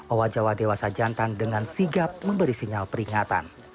owa jawa dewasa jantan dengan sigap memberi sinyal peringatan